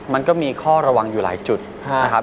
มันก็มีข้อระวังอยู่หลายจุดนะครับ